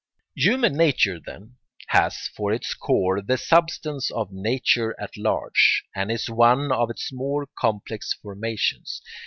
] Human nature, then, has for its core the substance of nature at large, and is one of its more complex formations.